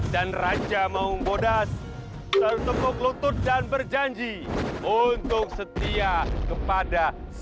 dan raja maung bodas tertemuk lutut dan berjanji untuk setia kepada sang pangeran